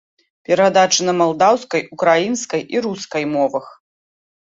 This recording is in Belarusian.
Перадачы на малдаўскай, украінскай і рускай мовах.